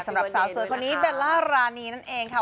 สำหรับสาวสวยคนนี้เบลล่ารานีนั่นเองค่ะ